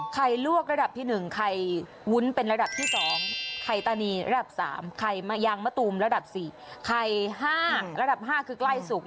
ลวกระดับที่๑ไข่วุ้นเป็นระดับที่๒ไข่ตานีระดับ๓ไข่มะยางมะตูมระดับ๔ไข่๕ระดับ๕คือใกล้สุก